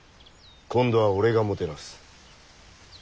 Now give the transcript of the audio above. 今度は俺がもてなす。